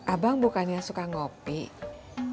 abang bukannya suka ngelakuinnya